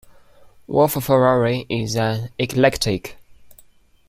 Wolf-Ferrari is an eclectic.